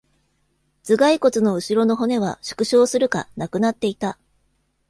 頭蓋骨の後ろの骨は、縮小するか、なくなっていた。